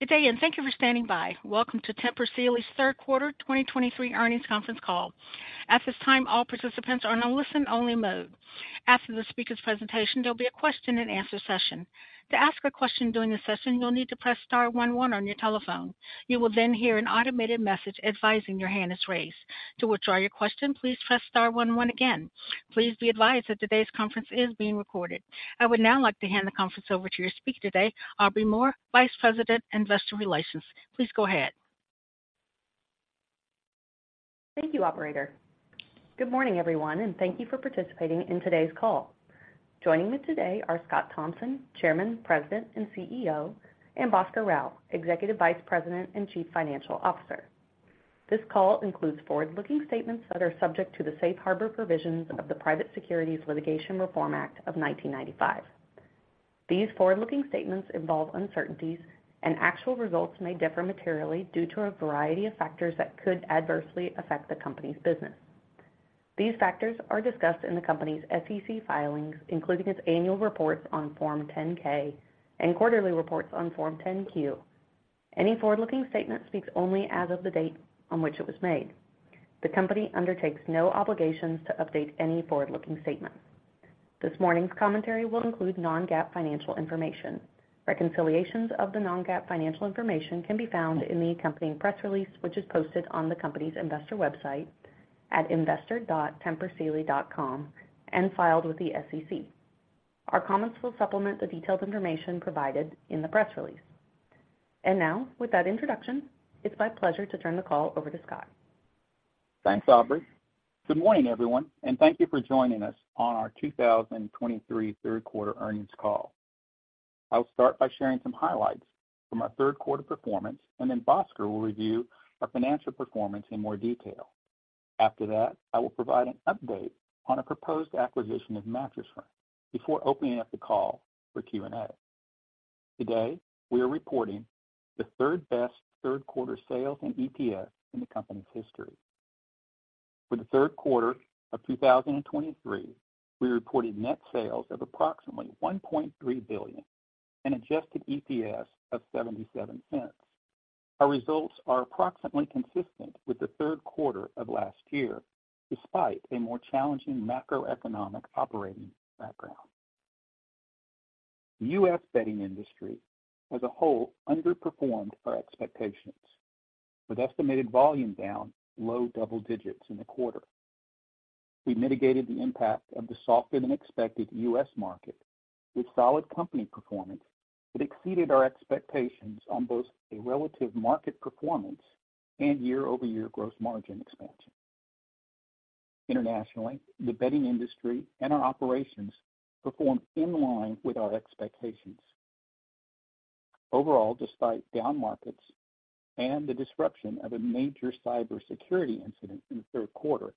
Good day, and thank you for standing by. Welcome to Tempur Sealy's third-quarter 2023 earnings conference call. At this time, all participants are in a listen-only mode. After the speaker's presentation, there'll be a question-and-answer session. To ask a question during the session, you'll need to press star one one on your telephone. You will then hear an automated message advising your hand is raised. To withdraw your question, please press star one one again. Please be advised that today's conference is being recorded. I would now like to hand the conference over to your speaker today, Aubrey Moore, Vice President, Investor Relations. Please go ahead. Thank you, operator. Good morning, everyone, and thank you for participating in today's call. Joining me today are Scott Thompson, Chairman, President, and CEO, and Bhaskar Rao, Executive Vice President and Chief Financial Officer. This call includes forward-looking statements that are subject to the safe harbor provisions of the Private Securities Litigation Reform Act of 1995. These forward-looking statements involve uncertainties, and actual results may differ materially due to a variety of factors that could adversely affect the company's business. These factors are discussed in the company's SEC filings, including its annual reports on Form 10-K and quarterly reports on Form 10-Q. Any forward-looking statement speaks only as of the date on which it was made. The company undertakes no obligations to update any forward-looking statements. This morning's commentary will include non-GAAP financial information. Reconciliations of the non-GAAP financial information can be found in the accompanying press release, which is posted on the company's investor website at investor.tempursealy.com and filed with the SEC. Our comments will supplement the detailed information provided in the press release. Now, with that introduction, it's my pleasure to turn the call over to Scott. Thanks, Aubrey. Good morning, everyone, and thank you for joining us on our 2023 third-quarter earnings call. I'll start by sharing some highlights from our third-quarter performance, and then Bhaskar will review our financial performance in more detail. After that, I will provide an update on a proposed acquisition of Mattress Firm before opening up the call for Q&A. Today, we are reporting the third-best third-quarter sales and EPS in the company's history. For the third-quarter of 2023, we reported net sales of approximately $1.3 billion and adjusted EPS of $0.77. Our results are approximately consistent with the third-quarter of last year, despite a more challenging macroeconomic operating background. The U.S. bedding industry as a whole underperformed our expectations, with estimated volume down low double-digits in the quarter. We mitigated the impact of the softer-than-anticipated U.S. market with solid company performance that exceeded our expectations on both a relative market performance and year-over-year gross margin expansion. Internationally, the bedding industry and our operations performed in line with our expectations. Overall, despite down markets and the disruption of a major cybersecurity incident in the third-quarter,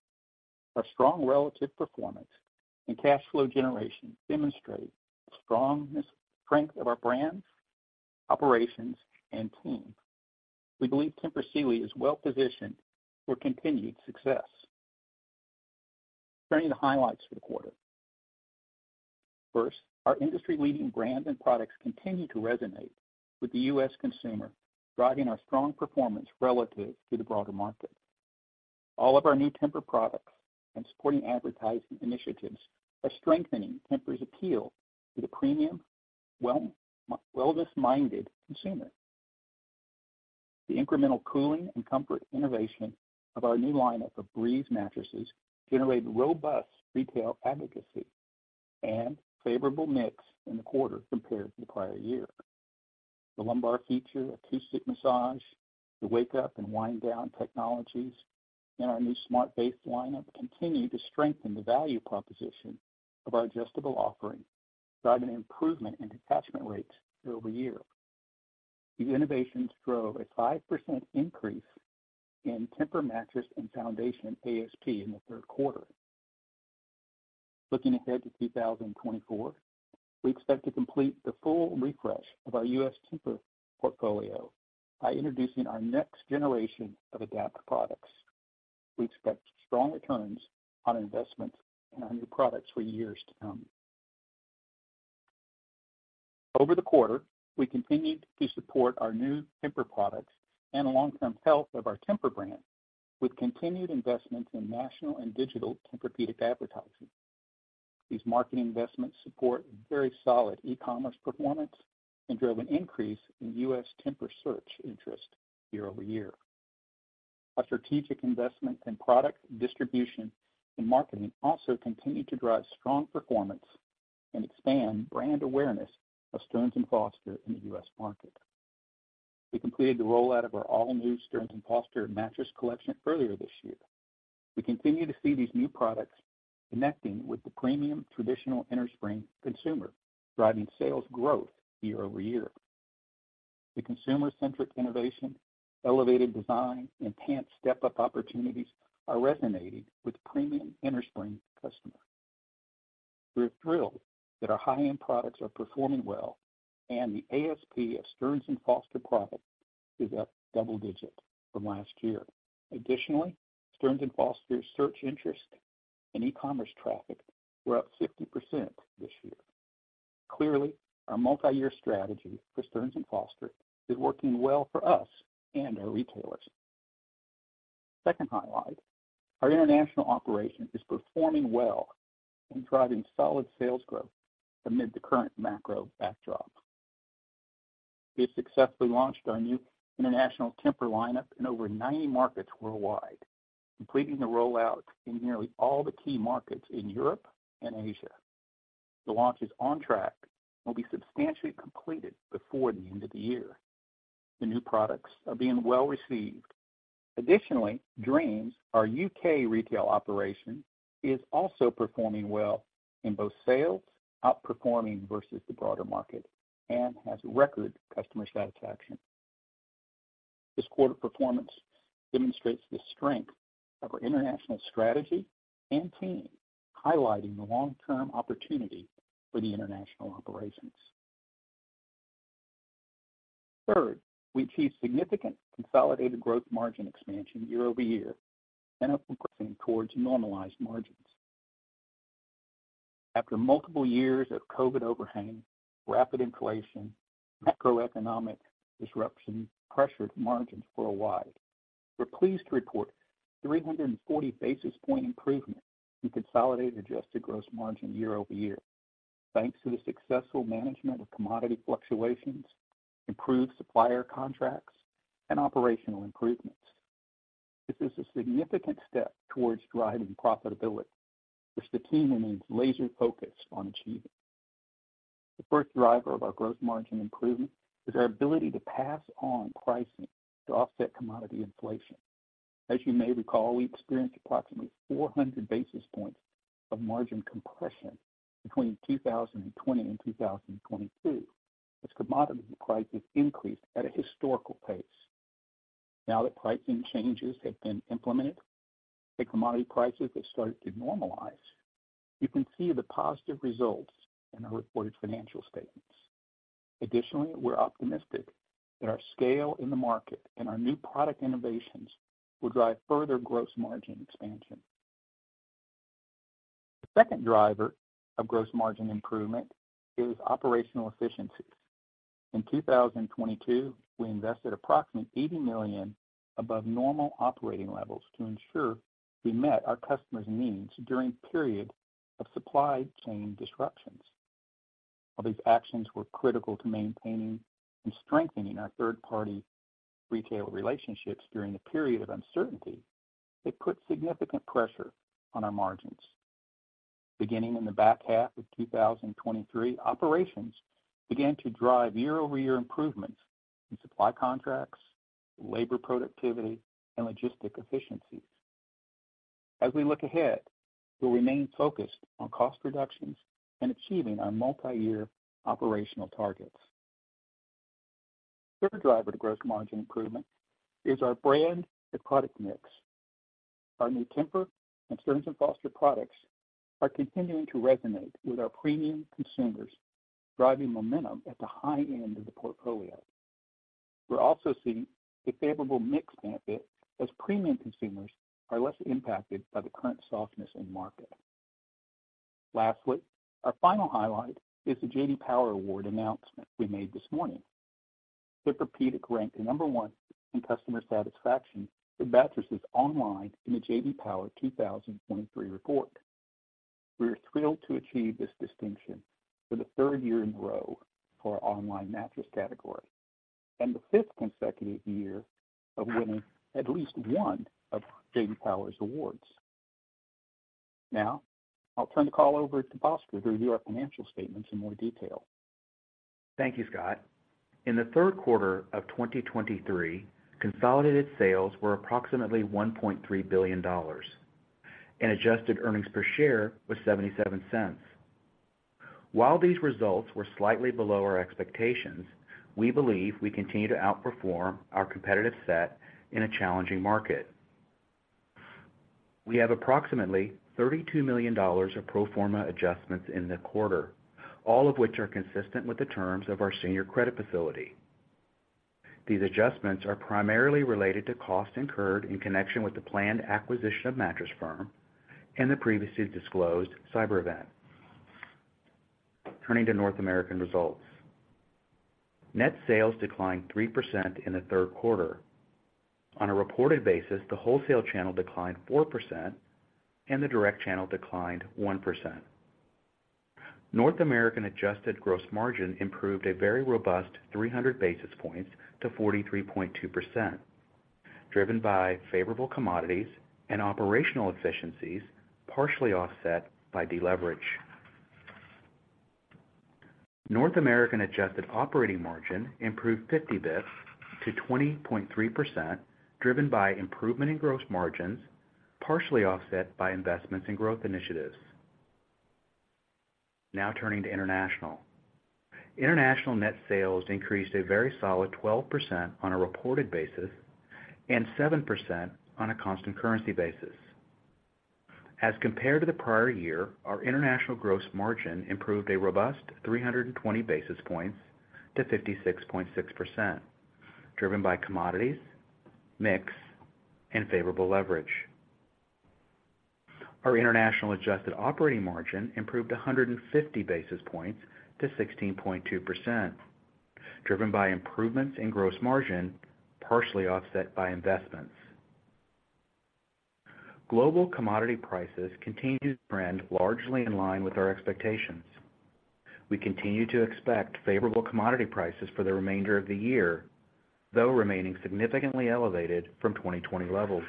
our strong relative performance and cash flow generation demonstrate the strong strength of our brands, operations, and team. We believe Tempur Sealy is well positioned for continued success. Turning to highlights for the quarter. First, our industry-leading brands and products continue to resonate with the U.S. consumer, driving our strong performance relative to the broader market. All of our new Tempur products and supporting advertising initiatives are strengthening Tempur's appeal to the premium, well, wellness-minded consumer. The incremental cooling and comfort innovation of our new lineup of Breeze mattresses generate robust retail advocacy and favorable mix in the quarter compared to the prior year. The lumbar feature, acoustic massage, the wake up and wind down technologies, and our new Smart Base lineup continue to strengthen the value proposition of our adjustable offerings, driving an improvement in attachment rates year-over-year. These innovations drove a 5% increase in Tempur mattress and foundation ASP in the third-quarter. Looking ahead to 2024, we expect to complete the full refresh of our U.S. Tempur portfolio by introducing our next generation of Adapt products. We expect strong returns on investment in our new products for years to come. Over the quarter, we continued to support our new Tempur products and the long-term health of our Tempur brand with continued investments in national and digital Tempur-Pedic advertising. These marketing investments support very solid e-commerce performance and drove an increase in U.S. Tempur search interest year-over-year. Our strategic investment in product distribution and marketing also continued to drive strong performance and expand brand awareness of Stearns & Foster in the U.S. market. We completed the rollout of our all-new Stearns & Foster mattress collection earlier this year. We continue to see these new products connecting with the premium traditional innerspring consumer, driving sales growth year-over-year. The consumer-centric innovation, elevated design, and enhanced step-up opportunities are resonating with premium innerspring customers. We're thrilled that our high-end products are performing well, and the ASP of Stearns & Foster products is up double-digit from last year. Additionally, Stearns & Foster's search interest and e-commerce traffic were up 50% this year. Clearly, our multi-year strategy for Stearns & Foster is working well for us and our retailers. Second highlight, our international operation is performing well and driving solid sales growth amid the current macro backdrop. We have successfully launched our new international Tempur lineup in over 90 markets worldwide, completing the rollout in nearly all the key markets in Europe and Asia. The launch is on track and will be substantially completed before the end of the year. The new products are being well received. Additionally, Dreams, our U.K. retail operation, is also performing well in both sales, outperforming versus the broader market, and has record customer satisfaction. This quarter performance demonstrates the strength of our international strategy and team, highlighting the long-term opportunity for the international operations. Third, we achieved significant consolidated gross margin expansion year-over-year and are progressing towards normalized margins. After multiple years of COVID overhang, rapid inflation, macroeconomic disruption, pressured margins for a while, we're pleased to report 340 basis point improvement in consolidated adjusted gross margin year-over-year, thanks to the successful management of commodity fluctuations, improved supplier contracts, and operational improvements. This is a significant step towards driving profitability, which the team remains laser-focused on achieving. The first driver of our gross margin improvement is our ability to pass on pricing to offset commodity inflation. As you may recall, we experienced approximately 400 basis points of margin compression between 2020 and 2022, as commodity prices increased at a historical pace. Now that pricing changes have been implemented and commodity prices have started to normalize, you can see the positive results in our reported financial statements. Additionally, we're optimistic that our scale in the market and our new product innovations will drive further gross margin expansion. The second driver of gross margin improvement is operational efficiencies. In 2022, we invested approximately $80 million above normal operating levels to ensure we met our customers' needs during period of supply chain disruptions. While these actions were critical to maintaining and strengthening our third-party retail relationships during a period of uncertainty, it put significant pressure on our margins. Beginning in the back half of 2023, operations began to drive year-over-year improvements in supply contracts, labor productivity, and logistics efficiencies. As we look ahead, we'll remain focused on cost reductions and achieving our multi-year operational targets. Third driver to gross margin improvement is our brand and product mix. Our new Tempur and Stearns & Foster products are continuing to resonate with our premium consumers, driving momentum at the high end of the portfolio. We're also seeing a favorable mix benefit as premium consumers are less impacted by the current softness in market. Lastly, our final highlight is the J.D. Power Award announcement we made this morning. Tempur-Pedic ranked number one in customer satisfaction for mattresses online in the J.D. Power 2023 report. We are thrilled to achieve this distinction for the third year in a row for our online mattress category, and the fifth consecutive year of winning at least one of J.D. Power's awards. Now, I'll turn the call over to Bhaskar to review our financial statements in more detail. Thank you, Scott. In the third-quarter of 2023, consolidated sales were approximately $1.3 billion, and adjusted earnings per share was $0.77. While these results were slightly below our expectations, we believe we continue to outperform our competitive set in a challenging market. We have approximately $32 million of pro forma adjustments in the quarter, all of which are consistent with the terms of our senior credit facility. These adjustments are primarily related to costs incurred in connection with the planned acquisition of Mattress Firm and the previously disclosed cyber event. Turning to North American results. Net sales declined 3% in the third-quarter. On a reported basis, the wholesale channel declined 4% and the direct channel declined 1%. North American adjusted gross margin improved a very robust 300 basis points to 43.2%, driven by favorable commodities and operational efficiencies, partially offset by deleverage. North American adjusted operating margin improved 50 basis points to 20.3%, driven by improvement in gross margins, partially offset by investments in growth initiatives. Now turning to international. International net sales increased a very solid 12% on a reported basis and 7% on a constant currency basis. As compared to the prior year, our international gross margin improved a robust 320 basis points to 56.6%, driven by commodities, mix, and favorable leverage. Our international adjusted operating margin improved 150 basis points to 16.2%, driven by improvements in gross margin, partially offset by investments. Global commodity prices continue to trend largely in line with our expectations. We continue to expect favorable commodity prices for the remainder of the year, though remaining significantly elevated from 2020 levels.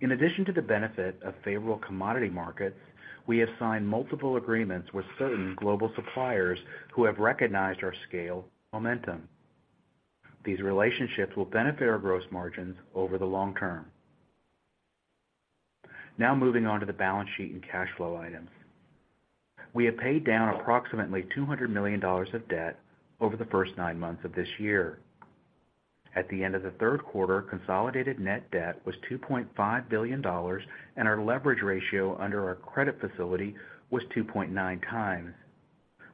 In addition to the benefit of favorable commodity markets, we have signed multiple agreements with certain global suppliers who have recognized our scale momentum. These relationships will benefit our gross margins over the long term. Now moving on to the balance sheet and cash flow items. We have paid down approximately $200 million of debt over the first nine months of this year. At the end of the third-quarter, consolidated net debt was $2.5 billion, and our leverage ratio under our credit facility was 2.9 times,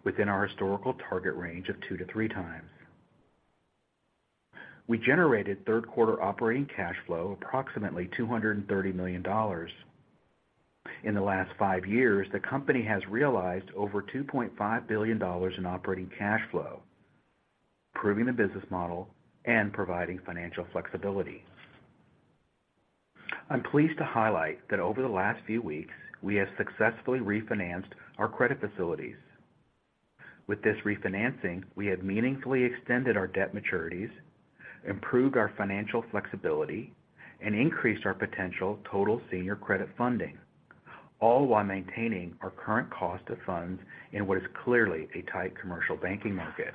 within our historical target range of 2-3 times. We generated third-quarter operating cash flow approximately $230 million. In the last five years, the company has realized over $2.5 billion in operating cash flow, improving the business model and providing financial flexibility. I'm pleased to highlight that over the last few weeks, we have successfully refinanced our credit facilities. With this refinancing, we have meaningfully extended our debt maturities, improved our financial flexibility, and increased our potential total senior credit funding, all while maintaining our current cost of funds in what is clearly a tight commercial banking market.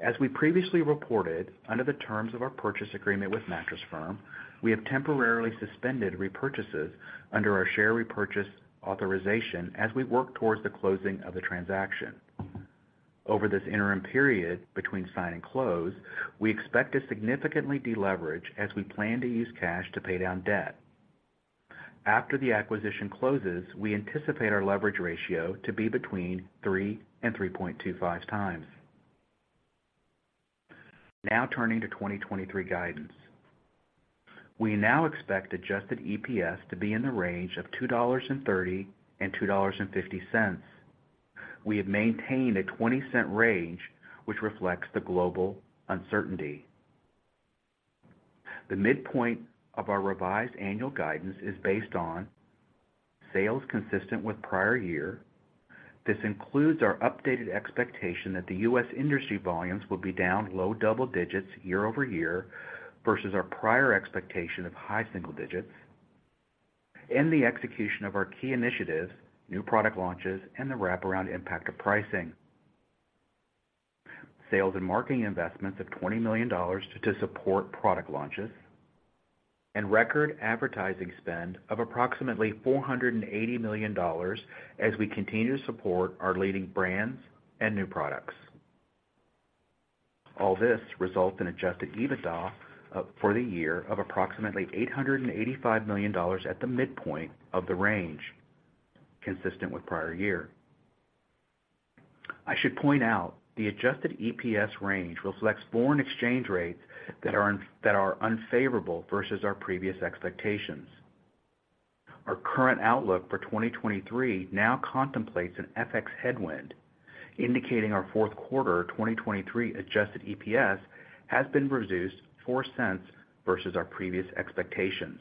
As we previously reported, under the terms of our purchase agreement with Mattress Firm, we have temporarily suspended repurchases under our share repurchase authorization as we work towards the closing of the transaction. Over this interim period between sign and close, we expect to significantly deleverage as we plan to use cash to pay down debt. After the acquisition closes, we anticipate our leverage ratio to be between 3 and 3.25 times. Now turning to 2023 guidance. We now expect adjusted EPS to be in the range of $2.30-$2.50. We have maintained a 20-cent range, which reflects the global uncertainty. The midpoint of our revised annual guidance is based on sales consistent with prior year. This includes our updated expectation that the U.S. industry volumes will be down low double-digits year-over-year, versus our prior expectation of high single digits, and the execution of our key initiatives, new product launches, and the wraparound impact of pricing, sales and marketing investments of $20 million to support product launches, and record advertising spend of approximately $480 million as we continue to support our leading brands and new products. All this results in adjusted EBITDA for the year of approximately $885 million at the midpoint of the range, consistent with prior year. I should point out, the adjusted EPS range reflects foreign exchange rates that are unfavorable versus our previous expectations. Our current outlook for 2023 now contemplates an FX headwind, indicating our fourth quarter 2023 adjusted EPS has been reduced $0.04 versus our previous expectations.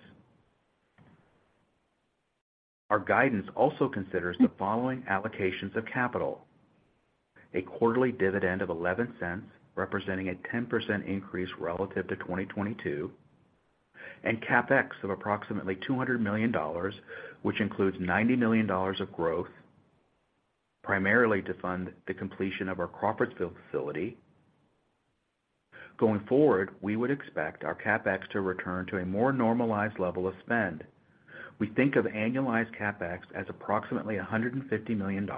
Our guidance also considers the following allocations of capital: a quarterly dividend of $0.11, representing a 10% increase relative to 2022, and CapEx of approximately $200 million, which includes $90 million of growth, primarily to fund the completion of our Crawfordsville facility. Going forward, we would expect our CapEx to return to a more normalized level of spend. We think of annualized CapEx as approximately $150 million,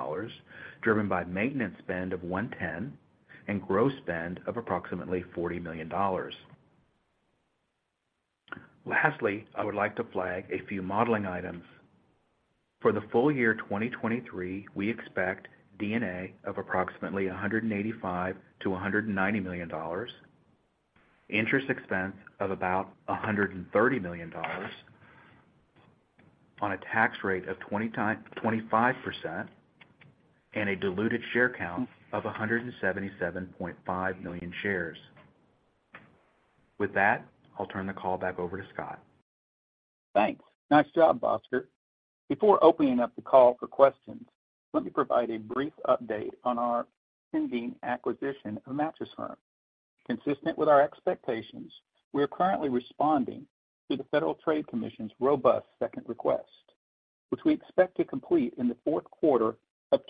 driven by maintenance spend of 110, and growth spend of approximately $40 million. Lastly, I would like to flag a few modeling items. For the full-year 2023, we expect D&A of approximately $185 million-$190 million, interest expense of about $130 million on a tax rate of 25%, and a diluted share count of 177.5 million shares. With that, I'll turn the call back over to Scott. Thanks. Nice job, Bhaskar. Before opening up the call for questions, let me provide a brief update on our pending acquisition of Mattress Firm. Consistent with our expectations, we are currently responding to the Federal Trade Commission's robust second request, which we expect to complete in the fourth quarter of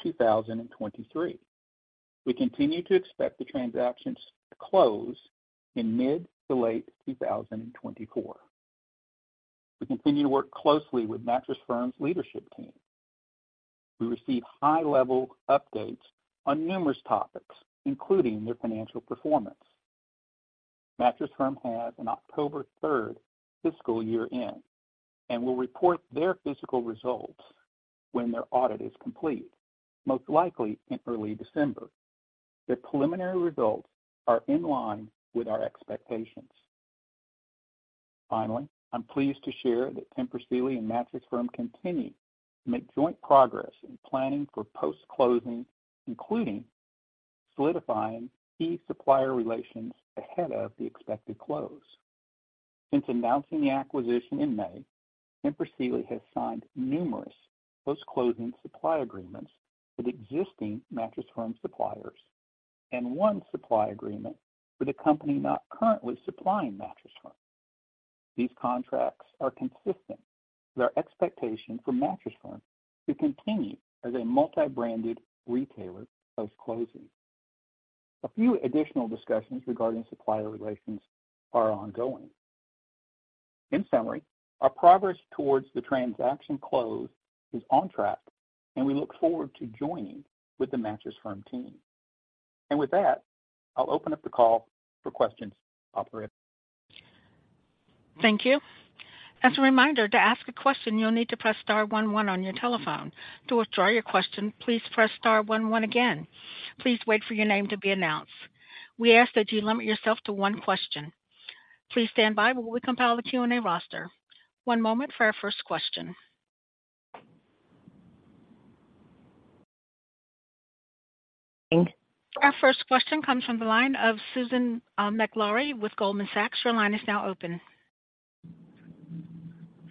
2023. We continue to expect the transactions to close in mid-to-late 2024. We continue to work closely with Mattress Firm's leadership team.... We receive high level updates on numerous topics, including their financial performance. Mattress Firm has an October 3 fiscal year end, and will report their fiscal results when their audit is complete, most likely in early December. Their preliminary results are in line with our expectations. Finally, I'm pleased to share that Tempur Sealy and Mattress Firm continue to make joint progress in planning for post-closing, including solidifying key supplier relations ahead of the expected close. Since announcing the acquisition in May, Tempur Sealy has signed numerous post-closing supply agreements with existing Mattress Firm suppliers and one supply agreement with a company not currently supplying Mattress Firm. These contracts are consistent with our expectation for Mattress Firm to continue as a multi-branded retailer post-closing. A few additional discussions regarding supplier relations are ongoing. In summary, our progress towards the transaction close is on track, and we look forward to joining with the Mattress Firm team. With that, I'll open up the call for questions, operator. Thank you. As a reminder, to ask a question, you'll need to press star one one on your telephone. To withdraw your question, please press star one one again. Please wait for your name to be announced. We ask that you limit yourself to one question. Please stand by while we compile the Q&A roster. One moment for our first question. Our first question comes from the line of Susan Maklari with Goldman Sachs. Your line is now open.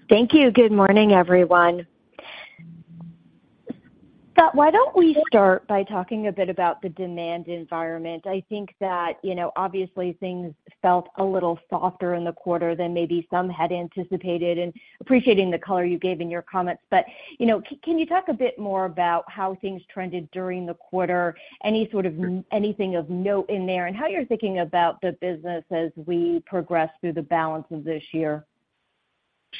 Thank you. Good morning, everyone. Scott, why don't we start by talking a bit about the demand environment? I think that, you know, obviously, things felt a little softer in the quarter than maybe some had anticipated, and appreciating the color you gave in your comments. But, you know, can you talk a bit more about how things trended during the quarter, any sort of anything of note in there, and how you're thinking about the business as we progress through the balance of this year?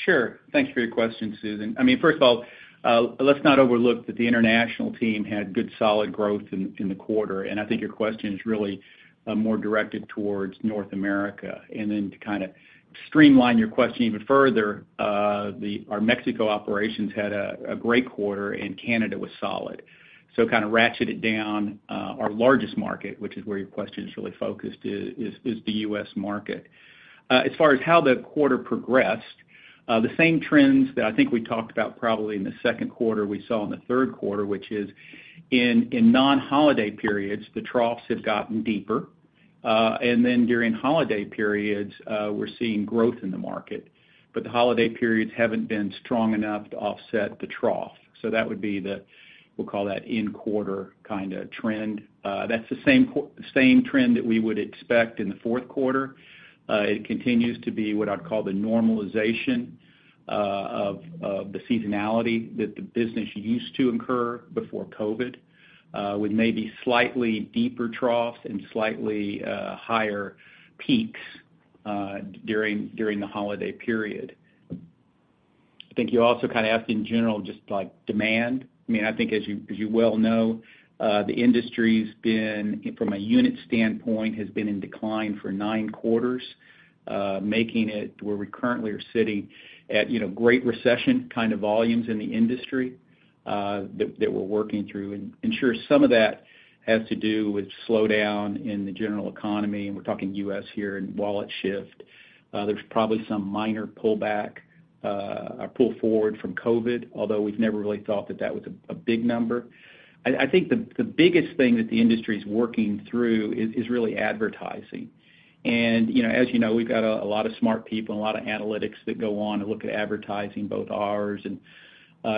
Sure. Thank you for your question, Susan. I mean, first of all, let's not overlook that the international team had good, solid growth in the quarter, and I think your question is really more directed towards North America. And then to kind of streamline your question even further, our Mexico operations had a great quarter, and Canada was solid. So kind of ratcheted down our largest market, which is where your question is really focused, is the U.S. market. As far as how the quarter progressed, the same trends that I think we talked about probably in the second quarter we saw in the third-quarter, which is in non-holiday periods, the troughs have gotten deeper, and then during holiday periods, we're seeing growth in the market. But the holiday periods haven't been strong enough to offset the trough. So that would be the we'll call that in quarter kind of trend. That's the same trend that we would expect in the fourth quarter. It continues to be what I'd call the normalization of the seasonality that the business used to incur before COVID, with maybe slightly deeper troughs and slightly higher peaks during the holiday period. I think you also kind of asked in general, just like demand. I mean, I think as you well know, the industry, from a unit standpoint, has been in decline for nine quarters, making it where we currently are sitting at, you know, great recession kind of volumes in the industry, that we're working through. I'm sure some of that has to do with slowdown in the general economy, and we're talking U.S. here and wallet shift. There's probably some minor pullback or pull forward from COVID, although we've never really thought that that was a big number. I think the biggest thing that the industry is working through is really advertising. You know, as you know, we've got a lot of smart people and a lot of analytics that go on to look at advertising, both ours and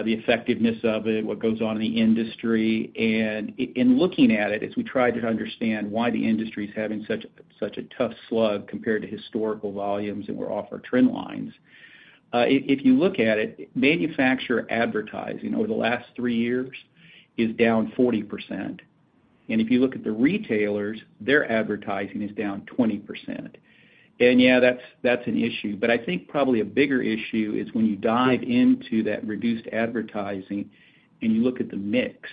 the effectiveness of it, what goes on in the industry. And in looking at it, as we try to understand why the industry is having such a tough slump compared to historical volumes, and we're off our trend lines, if you look at it, manufacturer advertising over the last three years is down 40%. And if you look at the retailers, their advertising is down 20%. And yeah, that's an issue, but I think probably a bigger issue is when you dive into that reduced advertising and you look at the mix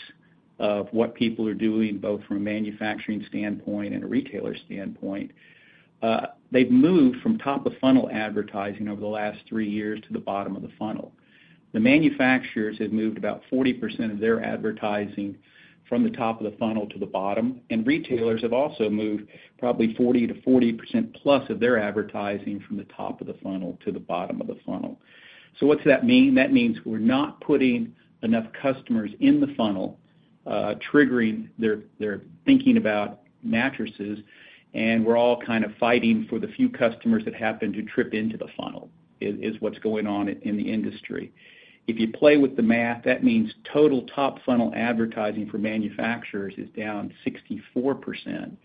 of what people are doing, both from a manufacturing standpoint and a retailer standpoint, they've moved from top-of-funnel advertising over the last three years to the bottom of the funnel. The manufacturers have moved about 40% of their advertising from the top of the funnel to the bottom, and retailers have also moved probably 40 to 40 percent plus of their advertising from the top of the funnel to the bottom of the funnel. So what does that mean? That means we're not putting enough customers in the funnel, triggering their, their thinking about mattresses, and we're all kind of fighting for the few customers that happen to trip into the funnel, is, is what's going on in, in the industry. If you play with the math, that means total top funnel advertising for manufacturers is down 64%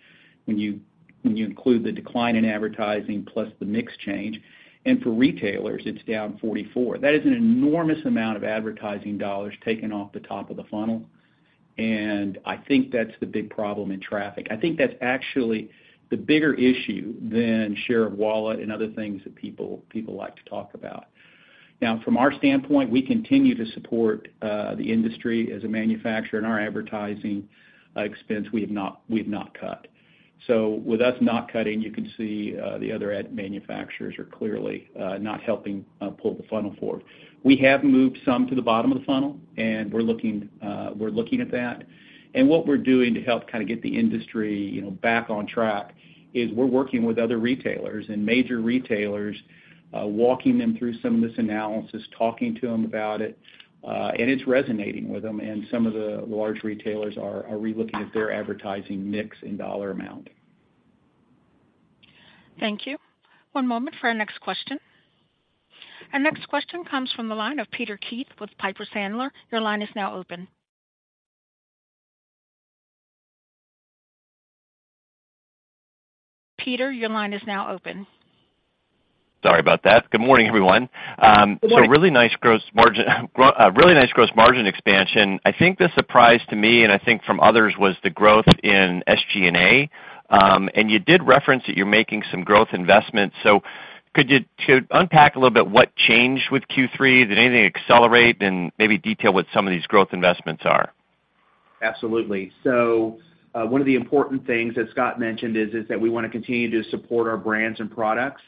when you, when you include the decline in advertising plus the mix change, and for retailers, it's down 44. That is an enormous amount of advertising dollars taken off the top of the funnel.... I think that's the big problem in traffic. I think that's actually the bigger issue than share of wallet and other things that people, people like to talk about. Now, from our standpoint, we continue to support the industry as a manufacturer, and our advertising expense, we have not, we've not cut. So with us not cutting, you can see the other ad manufacturers are clearly not helping pull the funnel forward. We have moved some to the bottom of the funnel, and we're looking, we're looking at that. What we're doing to help kind of get the industry, you know, back on track is we're working with other retailers and major retailers, walking them through some of this analysis, talking to them about it, and it's resonating with them, and some of the large retailers are relooking at their advertising mix and dollar amount. Thank you. One moment for our next question. Our next question comes from the line of Peter Keith with Piper Sandler. Your line is now open. Peter, your line is now open. Sorry about that. Good morning, everyone. Good morning. So really nice gross margin, really nice gross margin expansion. I think the surprise to me, and I think from others, was the growth in SG&A. And you did reference that you're making some growth investments. So could you unpack a little bit what changed with Q3? Did anything accelerate? And maybe detail what some of these growth investments are. Absolutely. So, one of the important things, as Scott mentioned, is, is that we want to continue to support our brands and products,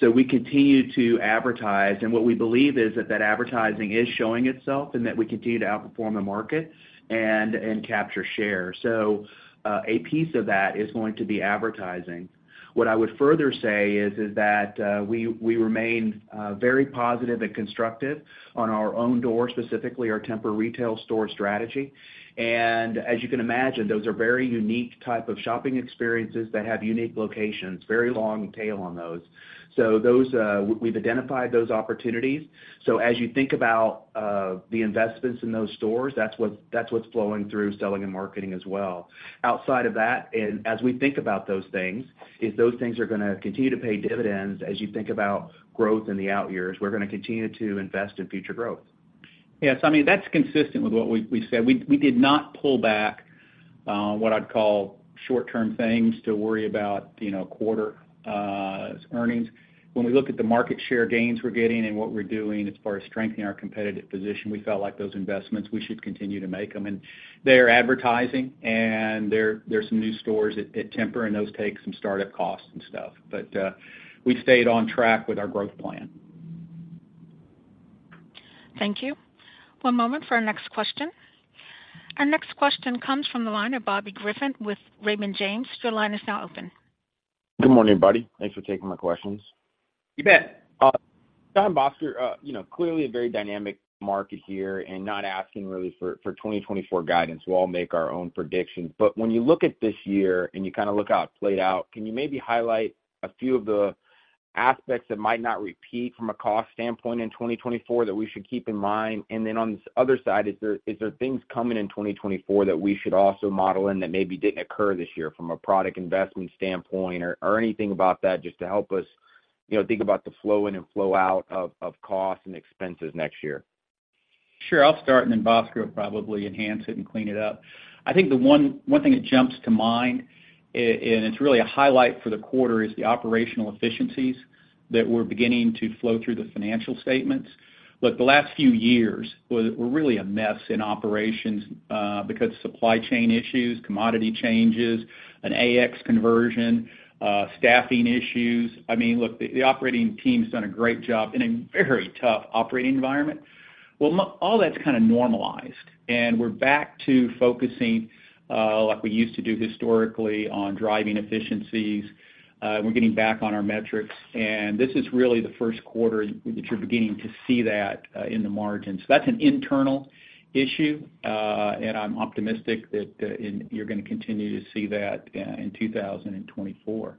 so we continue to advertise. And what we believe is that, that advertising is showing itself and that we continue to outperform the market and, and capture share. So, a piece of that is going to be advertising. What I would further say is, is that, we, we remain, very positive and constructive on our own doors, specifically our Tempur retail store strategy. And as you can imagine, those are very unique type of shopping experiences that have unique locations, very long tail on those. So those. We've identified those opportunities. So as you think about, the investments in those stores, that's what, that's what's flowing through selling and marketing as well. Outside of that, and as we think about those things, if those things are gonna continue to pay dividends as you think about growth in the out years, we're gonna continue to invest in future growth. Yes, I mean, that's consistent with what we said. We did not pull back, what I'd call short-term things to worry about, you know, quarter earnings. When we look at the market share gains we're getting and what we're doing as far as strengthening our competitive position, we felt like those investments, we should continue to make them. And they're advertising, and there's some new stores at Tempur, and those take some startup costs and stuff. But, we've stayed on track with our growth plan. Thank you. One moment for our next question. Our next question comes from the line of Bobby Griffin with Raymond James. Your line is now open. Good morning, buddy. Thanks for taking my questions. You bet. John and Bhaskar, you know, clearly a very dynamic market here and not asking really for 2024 guidance. We'll all make our own predictions. But when you look at this year and you kind of look how it played out, can you maybe highlight a few of the aspects that might not repeat from a cost standpoint in 2024 that we should keep in mind? And then on the other side, is there things coming in 2024 that we should also model in that maybe didn't occur this year from a product investment standpoint, or anything about that, just to help us, you know, think about the flow in and flow out of costs and expenses next year? Sure. I'll start, and then Bhaskar will probably enhance it and clean it up. I think the one thing that jumps to mind, and it's really a highlight for the quarter, is the operational efficiencies that we're beginning to flow through the financial statements. Look, the last few years were really a mess in operations, because supply chain issues, commodity changes, an AX conversion, staffing issues. I mean, look, the operating team's done a great job in a very tough operating environment. Well, all that's kind of normalized, and we're back to focusing, like we used to do historically, on driving efficiencies. We're getting back on our metrics, and this is really the first quarter that you're beginning to see that, in the margins. So that's an internal issue, and I'm optimistic that, and you're gonna continue to see that, in 2024.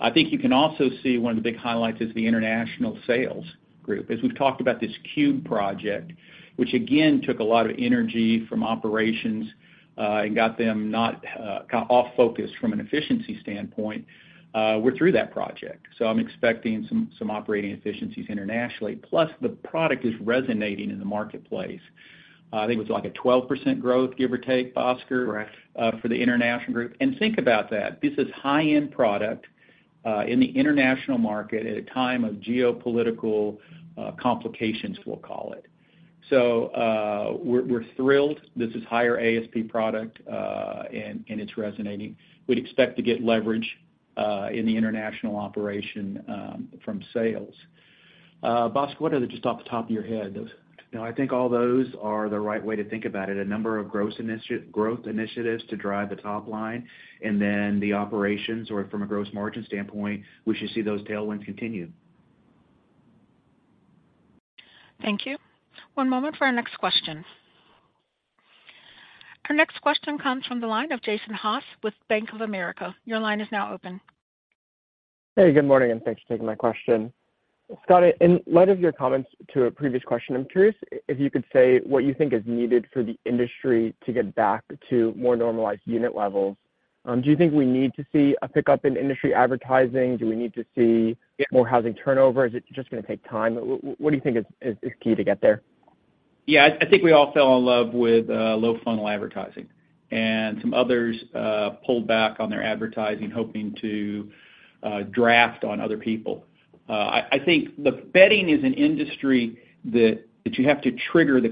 I think you can also see one of the big highlights is the international sales group. As we've talked about this huge project, which again, took a lot of energy from operations, and got them not, kind of off focus from an efficiency standpoint. We're through that project, so I'm expecting some, some operating efficiencies internationally. Plus, the product is resonating in the marketplace. I think it was like a 12% growth, give or take, Bhaskar- Correct. For the international group. And think about that. This is high-end product in the international market at a time of geopolitical complications, we'll call it. So, we're thrilled. This is higher ASP product, and it's resonating. We'd expect to get leverage in the international operation from sales. Bhaskar, what are the, just off the top of your head? No, I think all those are the right way to think about it. A number of growth initiatives to drive the top line, and then the operations, or from a gross margin standpoint, we should see those tailwinds continue. Thank you. One moment for our next question. Our next question comes from the line of Jason Haas with Bank of America. Your line is now open. Hey, good morning, and thanks for taking my question. Scott, in light of your comments to a previous question, I'm curious if you could say what you think is needed for the industry to get back to more normalized unit levels?... Do you think we need to see a pickup in industry advertising? Do we need to see more housing turnover, or is it just going to take time? What do you think is key to get there? Yeah, I think we all fell in love with low funnel advertising, and some others pulled back on their advertising, hoping to draft on other people. I think the bedding is an industry that you have to trigger the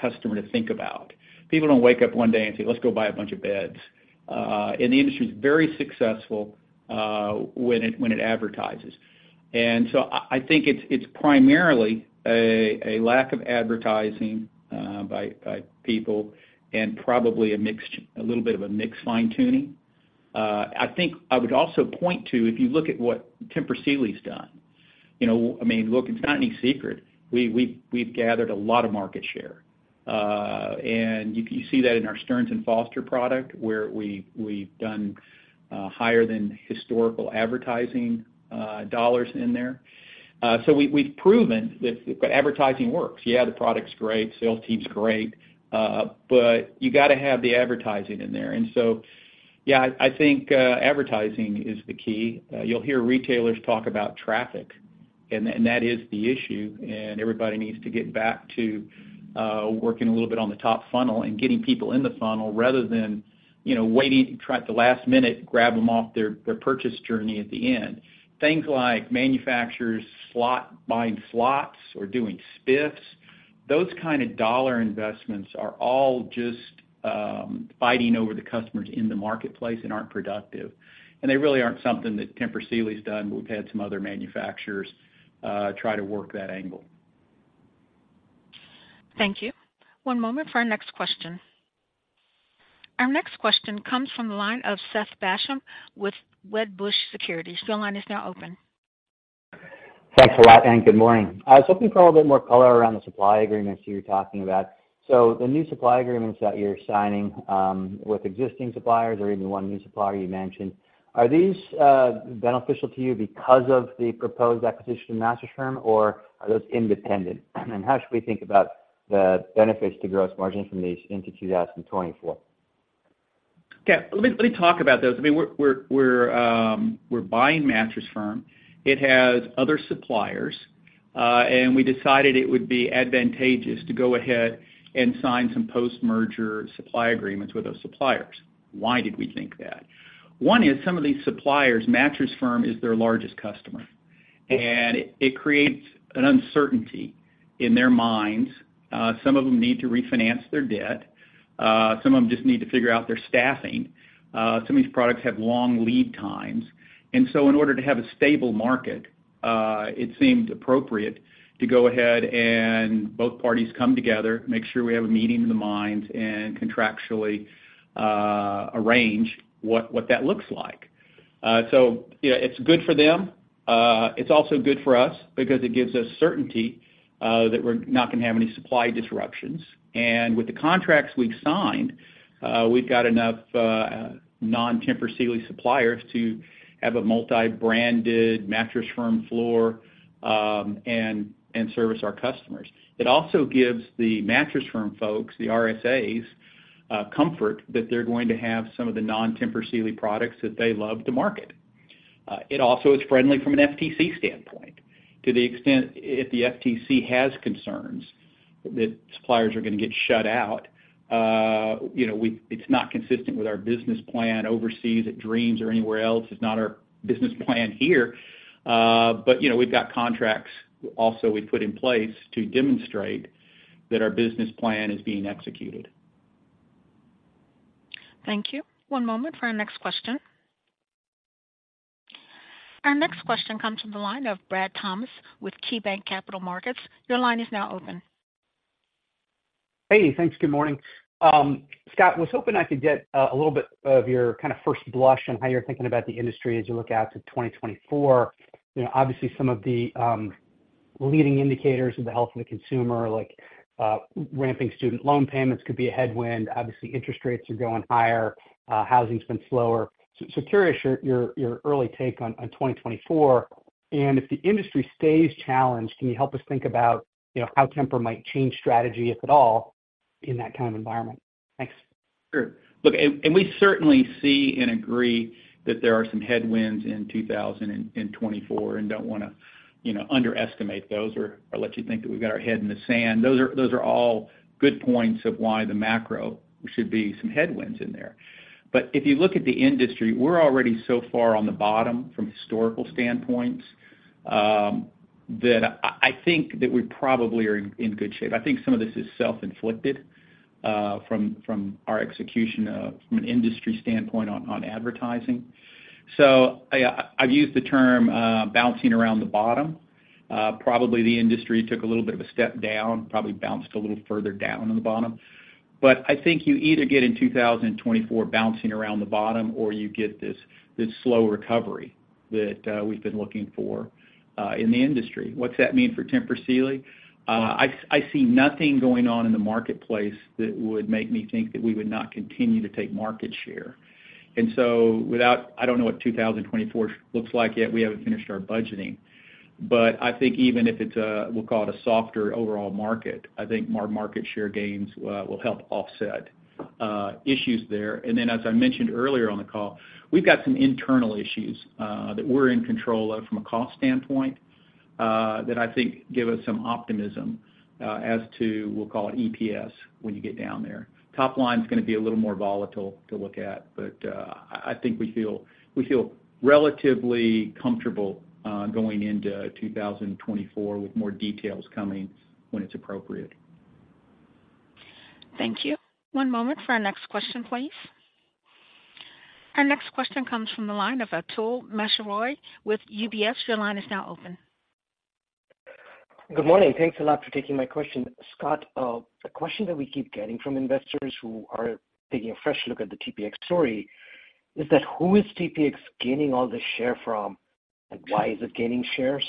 customer to think about. People don't wake up one day and say, "Let's go buy a bunch of beds." And the industry is very successful when it advertises. And so I think it's primarily a lack of advertising by people and probably a little bit of a mixed fine-tuning. I think I would also point to, if you look at what Tempur Sealy's done, you know, I mean, look, it's not any secret. We've gathered a lot of market share. And you see that in our Stearns & Foster product, where we've done higher than historical advertising dollars in there. So we've proven that advertising works. Yeah, the product's great, sales team's great, but you gotta have the advertising in there. And so, yeah, I think advertising is the key. You'll hear retailers talk about traffic, and that is the issue, and everybody needs to get back to working a little bit on the top funnel and getting people in the funnel rather than, you know, waiting, try at the last minute, grab them off their purchase journey at the end. Things like manufacturers, slot, buying slots or doing spiffs, those kind of dollar investments are all just, fighting over the customers in the marketplace and aren't productive, and they really aren't something that Tempur Sealy's done. We've had some other manufacturers, try to work that angle. Thank you. One moment for our next question. Our next question comes from the line of Seth Basham with Wedbush Securities. Your line is now open. Thanks a lot, and good morning. I was hoping for a little bit more color around the supply agreements you're talking about. So the new supply agreements that you're signing, with existing suppliers or even one new supplier you mentioned, are these beneficial to you because of the proposed acquisition of Mattress Firm, or are those independent? And how should we think about the benefits to gross margin from these into 2024? Okay, let me talk about those. I mean, we're buying Mattress Firm. It has other suppliers, and we decided it would be advantageous to go ahead and sign some post-merger supply agreements with those suppliers. Why did we think that? One is some of these suppliers, Mattress Firm is their largest customer, and it creates an uncertainty in their minds. Some of them need to refinance their debt. Some of them just need to figure out their staffing. Some of these products have long lead times. And so in order to have a stable market, it seemed appropriate to go ahead and both parties come together, make sure we have a meeting of the minds, and contractually arrange what that looks like. So, you know, it's good for them. It's also good for us because it gives us certainty that we're not going to have any supply disruptions. And with the contracts we've signed, we've got enough non-Tempur Sealy suppliers to have a multi-branded Mattress Firm floor, and service our customers. It also gives the Mattress Firm folks, the RSAs, comfort that they're going to have some of the non-Tempur Sealy products that they love to market. It also is friendly from an FTC standpoint, to the extent if the FTC has concerns that suppliers are going to get shut out, you know, it's not consistent with our business plan overseas at Dreams or anywhere else, it's not our business plan here. But, you know, we've got contracts also we put in place to demonstrate that our business plan is being executed. Thank you. One moment for our next question. Our next question comes from the line of Brad Thomas with KeyBanc Capital Markets. Your line is now open. Hey, thanks. Good morning. Scott, was hoping I could get a little bit of your kind of first blush on how you're thinking about the industry as you look out to 2024. You know, obviously, some of the leading indicators of the health of the consumer, like ramping student loan payments, could be a headwind. Obviously, interest rates are going higher, housing's been slower. So curious your early take on 2024, and if the industry stays challenged, can you help us think about, you know, how Tempur might change strategy, if at all, in that kind of environment? Thanks. Sure. Look, and we certainly see and agree that there are some headwinds in 2024 and don't want to, you know, underestimate those or let you think that we've got our head in the sand. Those are all good points of why the macro should be some headwinds in there. But if you look at the industry, we're already so far on the bottom from historical standpoints, that I think that we probably are in good shape. I think some of this is self-inflicted, from our execution, from an industry standpoint on advertising. So I, I've used the term, bouncing around the bottom. Probably the industry took a little bit of a step down, probably bounced a little further down in the bottom. But I think you either get in 2024 bouncing around the bottom or you get this slow recovery that we've been looking for in the industry. What's that mean for Tempur Sealy? I see nothing going on in the marketplace that would make me think that we would not continue to take market share. And so without, I don't know what 2024 looks like yet, we haven't finished our budgeting. But I think even if it's a we'll call it a softer overall market, I think our market share gains will help offset issues there. And then, as I mentioned earlier on the call, we've got some internal issues that we're in control of from a cost standpoint that I think give us some optimism as to, we'll call it EPS, when you get down there. Top line's gonna be a little more volatile to look at, but I think we feel relatively comfortable going into 2024, with more details coming when it's appropriate. Thank you. One moment for our next question, please. Our next question comes from the line of Atul Maheswari with UBS. Your line is now open. Good morning, thanks a lot for taking my question. Scott, the question that we keep getting from investors who are taking a fresh look at the TPX story, is that who is TPX gaining all the share from, and why is it gaining share?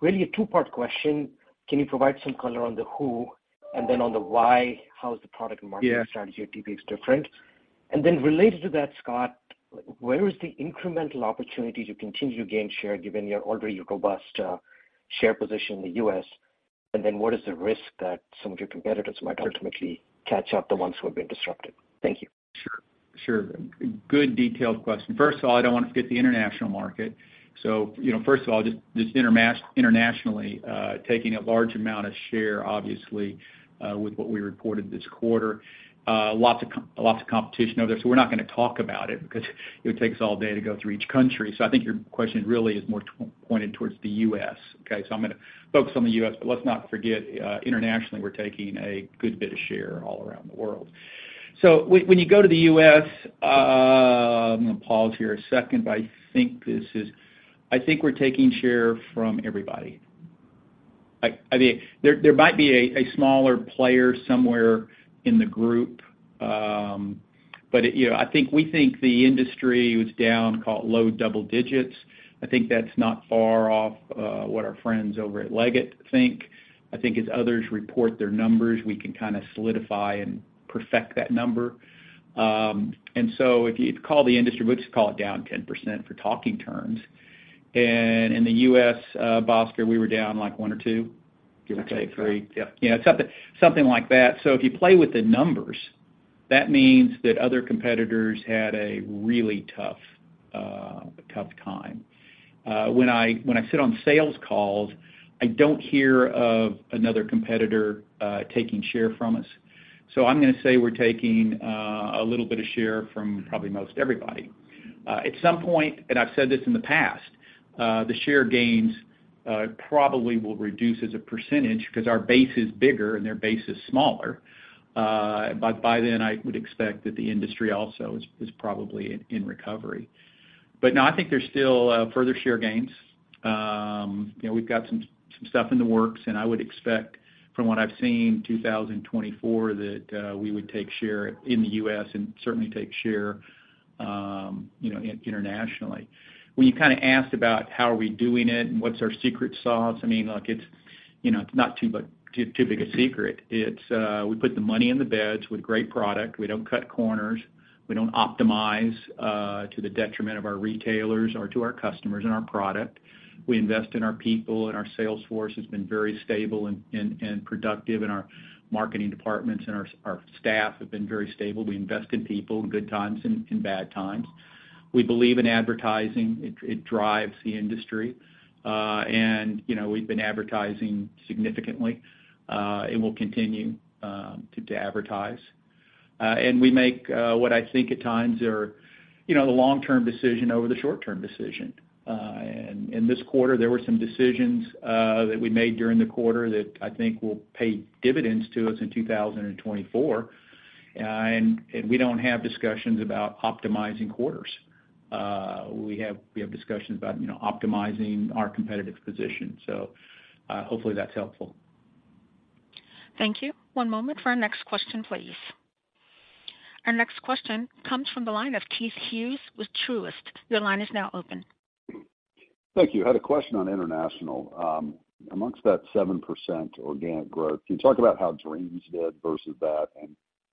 Really a two-part question. Can you provide some color on the who, and then on the why, how is the product and marketing- Yeah... strategy at TPX different? And then related to that, Scott, where is the incremental opportunity to continue to gain share given your already robust share position in the U.S.? And then what is the risk that some of your competitors might ultimately catch up, the ones who have been disrupted? Thank you. Sure. Sure, good detailed question. First of all, I don't want to forget the international market. So, you know, first of all, just internationally, taking a large amount of share, obviously, with what we reported this quarter. Lots of competition out there, so we're not gonna talk about it because it would take us all day to go through each country. So I think your question really is more pointed towards the U.S. Okay, so I'm gonna focus on the U.S., but let's not forget, internationally, we're taking a good bit of share all around the world. So when you go to the U.S., I'm gonna pause here a second, but I think this is. I think we're taking share from everybody. Like, I mean, there might be a smaller player somewhere in the group, but, you know, I think we think the industry was down, call it, low double-digits. I think that's not far off, what our friends over at Leggett & Platt think. I think as others report their numbers, we can kind of solidify and perfect that number. And so if you call the industry, we'll just call it down 10% for talking terms. And in the US, Bhaskar, we were down, like, one or two? Actually, three. Yeah, yeah, something, something like that. So if you play with the numbers, that means that other competitors had a really tough, tough time. When I sit on sales calls, I don't hear of another competitor taking share from us. So I'm gonna say we're taking a little bit of share from probably most everybody. At some point, and I've said this in the past, the share gains probably will reduce as a percentage because our base is bigger and their base is smaller. But by then, I would expect that the industry also is probably in recovery. But no, I think there's still further share gains. You know, we've got some stuff in the works, and I would expect, from what I've seen, 2024, that we would take share in the U.S. and certainly take share, you know, internationally. When you kind of asked about how are we doing it and what's our secret sauce, I mean, like, it's, you know, it's not too big a secret. It's we put the money in the beds with great product. We don't cut corners. We don't optimize to the detriment of our retailers or to our customers and our product. We invest in our people, and our sales force has been very stable and productive, and our marketing departments and our staff have been very stable. We invest in people in good times and bad times. We believe in advertising. It drives the industry. And, you know, we've been advertising significantly, and we'll continue to advertise. And we make what I think at times are, you know, the long-term decision over the short-term decision. And in this quarter, there were some decisions that we made during the quarter that I think will pay dividends to us in 2024. And we don't have discussions about optimizing quarters. We have discussions about, you know, optimizing our competitive position. So, hopefully, that's helpful. Thank you. One moment for our next question, please. Our next question comes from the line of Keith Hughes with Truist. Your line is now open. Thank you. I had a question on international. Amongst that 7% organic growth, can you talk about how Dreams did versus that? Yeah.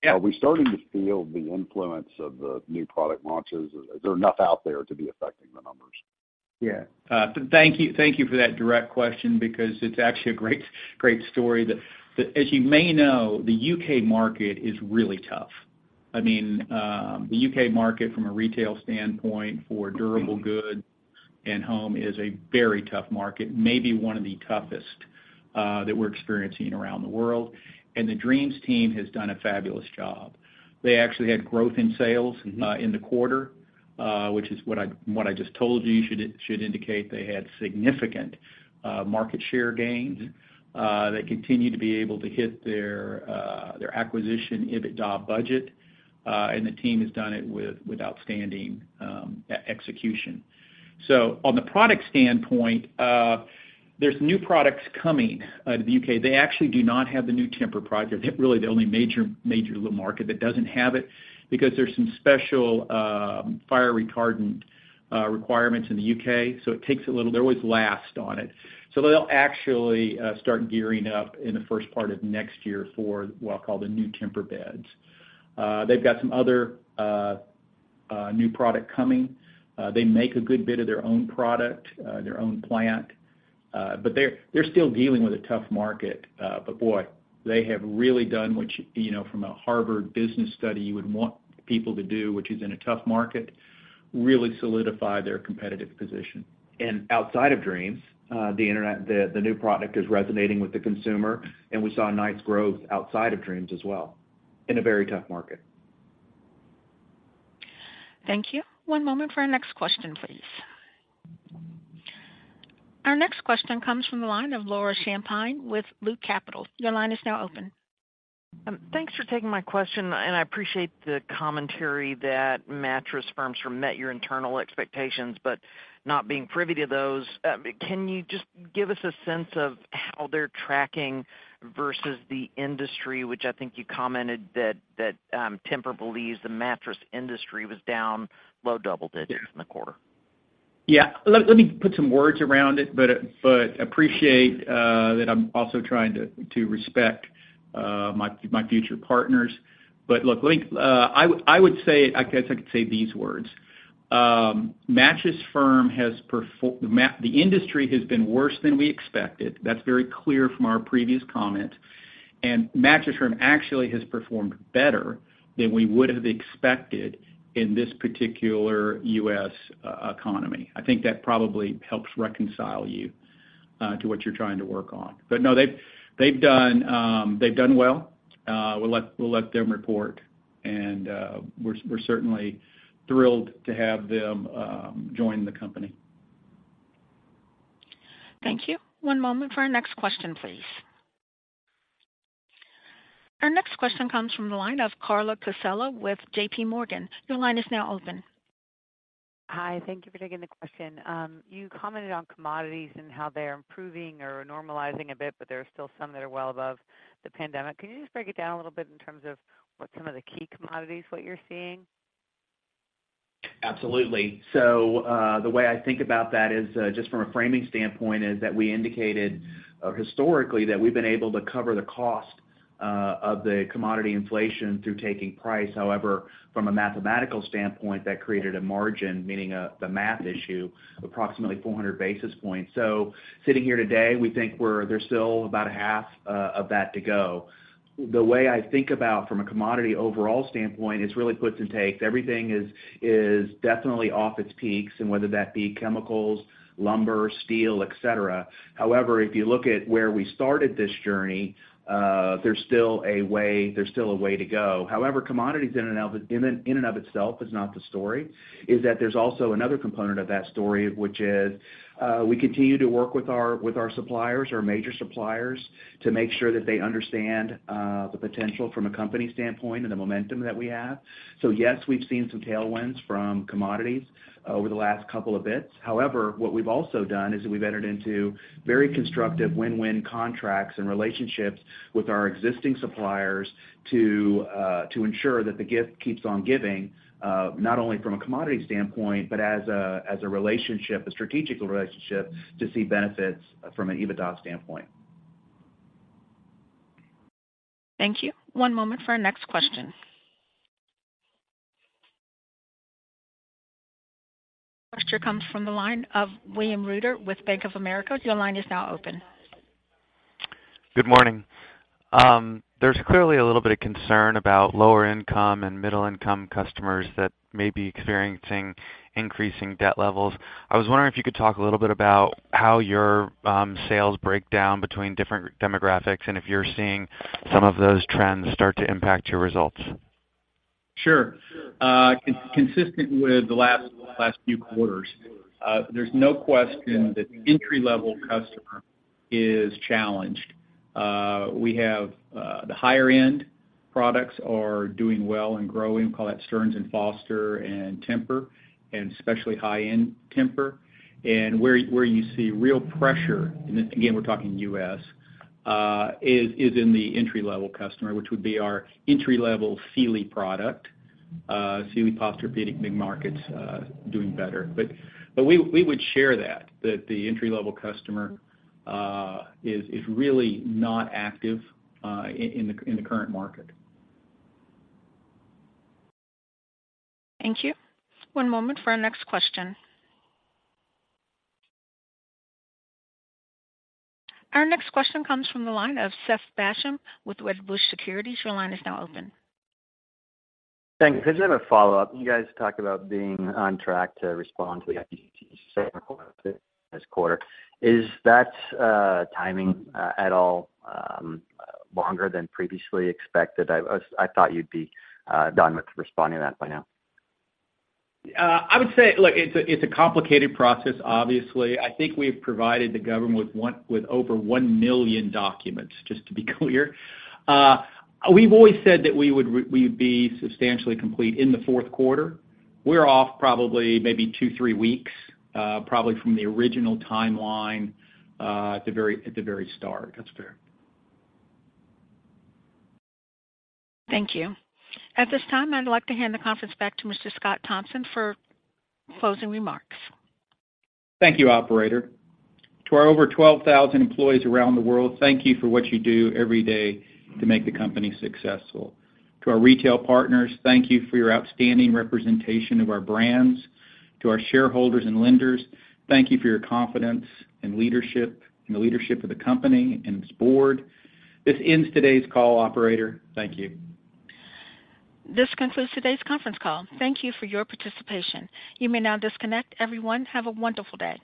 Are we starting to feel the influence of the new product launches? Is there enough out there to be affecting the numbers? Yeah. Thank you, thank you for that direct question because it's actually a great, great story. That, that, as you may know, the U.K. market is really tough. I mean, the U.K. market, from a retail standpoint for durable goods and home, is a very tough market, maybe one of the toughest that we're experiencing around the world. The Dreams team has done a fabulous job. They actually had growth in sales- Mm-hmm. In the quarter, which is what I just told you, should indicate they had significant market share gains. They continue to be able to hit their acquisition EBITDA budget, and the team has done it with outstanding execution. So on the product standpoint, there's new products coming to the UK. They actually do not have the new Tempur product. They're really the only major market that doesn't have it, because there's some special fire retardant requirements in the UK, so it takes a little—they're always last on it. So they'll actually start gearing up in the first part of next year for what I'll call the new Tempur beds. They've got some other new product coming. They make a good bit of their own product, their own plant, but they're still dealing with a tough market. But boy, they have really done, which, you know, from a Harvard Business study, you would want people to do, which is in a tough market, really solidify their competitive position. And outside of Dreams, the new product is resonating with the consumer, and we saw nice growth outside of Dreams as well, in a very tough market. Thank you. One moment for our next question, please. Our next question comes from the line of Laura Champine with Loop Capital. Your line is now open. Thanks for taking my question, and I appreciate the commentary that Mattress Firm's performance met your internal expectations, but not being privy to those. Can you just give us a sense of how they're tracking versus the industry, which I think you commented that, that, Tempur believes the mattress industry was down low double-digits in the quarter? Yeah, let me put some words around it, but appreciate that I'm also trying to respect my future partners. Look, I would say, I guess I could say these words: Mattress Firm has performed—the industry has been worse than we expected. That's very clear from our previous comment, and Mattress Firm actually has performed better than we would have expected in this particular U.S. economy. I think that probably helps reconcile you to what you're trying to work on. They've done well. We'll let them report, and we're certainly thrilled to have them join the company. Thank you. One moment for our next question, please. Our next question comes from the line of Carla Casella with JP Morgan. Your line is now open. Hi, thank you for taking the question. You commented on commodities and how they are improving or normalizing a bit, but there are still some that are well above the pandemic. Can you just break it down a little bit in terms of what some of the key commodities, what you're seeing? Absolutely. So, the way I think about that is, just from a framing standpoint, is that we indicated, historically, that we've been able to cover the cost of the commodity inflation through taking price. However, from a mathematical standpoint, that created a margin, meaning, the math issue, approximately 400 basis points. So sitting here today, we think we're, there's still about a half of that to go. The way I think about from a commodity overall standpoint, it's really puts and takes. Everything is definitely off its peaks, and whether that be chemicals, lumber, steel, et cetera. However, if you look at where we started this journey, there's still a way, there's still a way to go. However, commodities in and of itself is not the story, is that there's also another component of that story, which is we continue to work with our suppliers, our major suppliers, to make sure that they understand the potential from a company standpoint and the momentum that we have. So yes, we've seen some tailwinds from commodities over the last couple of bits. However, what we've also done is we've entered into very constructive win-win contracts and relationships with our existing suppliers to ensure that the gift keeps on giving, not only from a commodity standpoint, but as a relationship, a strategic relationship, to see benefits from an EBITDA standpoint. Thank you. One moment for our next question. Question comes from the line of William Reuter with Bank of America. Your line is now open. Good morning. There's clearly a little bit of concern about lower income and middle income customers that may be experiencing increasing debt levels. I was wondering if you could talk a little bit about how your sales break down between different demographics, and if you're seeing some of those trends start to impact your results? Sure. Consistent with the last few quarters, there's no question that entry-level customer is challenged. We have the higher-end products are doing well and growing. Call that Stearns & Foster and Tempur, and especially high-end Tempur. And where you see real pressure, and again, we're talking U.S., is in the entry-level customer, which would be our entry-level Sealy product, Sealy Posturepedic. Big markets doing better. But we would share that the entry-level customer is really not active in the current market. Thank you. One moment for our next question. Our next question comes from the line of Seth Basham with Wedbush Securities. Your line is now open. Thank you. Could I have a follow-up? You guys talked about being on track to respond to the FTC this quarter. Is that timing at all longer than previously expected? I was. I thought you'd be done with responding to that by now. I would say, look, it's a, it's a complicated process, obviously. I think we've provided the government with one-- with over 1 million documents, just to be clear. We've always said that we'd be substantially complete in the fourth quarter. We're off probably, maybe two, three weeks, probably from the original timeline, at the very, at the very start. That's fair. Thank you. At this time, I'd like to hand the conference back to Mr. Scott Thompson for closing remarks. Thank you, operator. To our over 12,000 employees around the world, thank you for what you do every day to make the company successful. To our retail partners, thank you for your outstanding representation of our brands. To our shareholders and lenders, thank you for your confidence and leadership, and the leadership of the company and its board. This ends today's call, operator. Thank you. This concludes today's conference call. Thank you for your participation. You may now disconnect. Everyone, have a wonderful day.